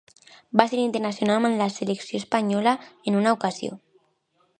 Va ser internacional amb la selecció espanyola en una ocasió.